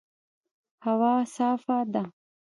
هوا صافه ده